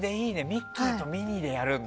ミッキーとミニーでやるんだ。